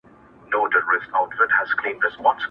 د پښتو ادب نړۍ ده پرې روښانه.